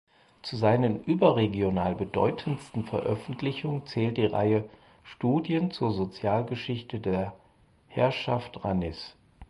Zu seinen überregional bedeutendsten Veröffentlichungen zählt die Reihe "Studien zur Sozialgeschichte der Herrschaft Ranis".